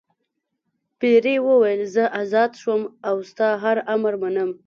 پیري وویل زه آزاد شوم او ستا هر امر منم.